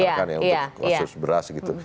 misalkan yang untuk konsumsi beras gitu